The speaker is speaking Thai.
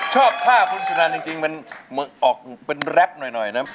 ชอบภาพคุณชุนานจริงออกเป็นแร็พหน่อยนะ